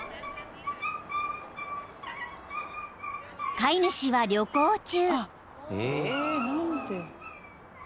［飼い主は旅行中］